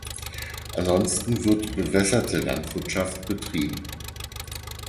Ansonsten wird bewässerte Landwirtschaft betrieben.